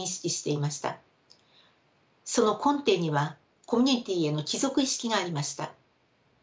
その根底にはコミュニティーへの帰属意識がありました。